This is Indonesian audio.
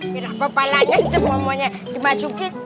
mirabu balanan semuanya dimasukin